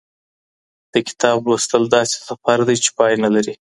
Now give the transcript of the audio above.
د کتاب لوستل داسې سفر دی چي پای نه لري.